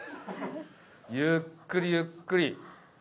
ゆっくりゆっくり。